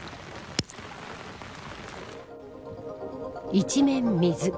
一面、水。